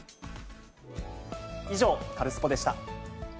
以上、カルスポっ！でした。